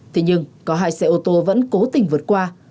thế nhưng có hai xe ô tô vẫn cố tình vượt qua